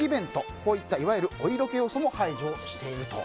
こういったいわゆるお色気要素も排除していると。